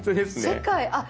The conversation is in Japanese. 世界あっ！